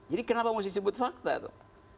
jadi kenapa harus disebut fakta itu